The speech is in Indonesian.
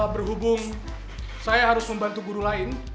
berhubung saya harus membantu guru lain